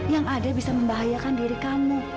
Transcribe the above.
yang ada bisa membahayakan diri kamu